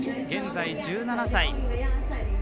現在、１７歳。